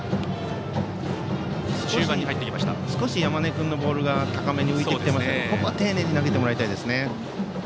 少し、山根君のボールが高めに浮いてきていますので丁寧に投げてもらいたいですね。